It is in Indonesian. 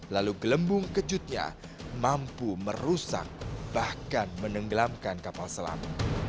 lalu gelembung kejutnya mampu merusak bahkan menenggelamkan kapal selam